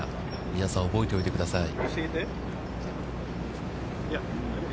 皆さん、覚えておいてください。